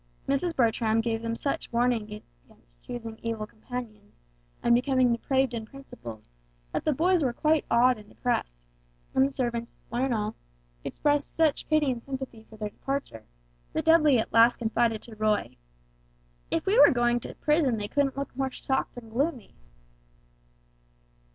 Mrs. Bertram gave them such warnings against choosing evil companions, and becoming depraved in principles, that the boys were quite awed and depressed; and the servants, one and all, expressed such pity and sympathy for their departure, that Dudley at last confided to Roy: "If we were going to prison they couldn't look more shocked and gloomy."